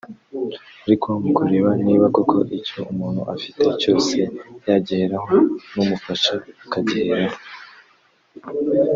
ariko mu kureba niba koko icyo umuntu afite cyose yagiheraho n’umufasha akagiheraho